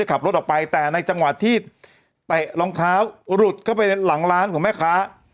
ขับรถออกไปแต่ในจังหวะที่เตะรองเท้าหลุดเข้าไปหลังร้านของแม่ค้า